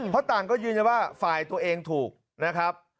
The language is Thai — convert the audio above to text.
เพราะต่างก็ยืนยันว่าฝ่ายตัวเองถูกนะครับ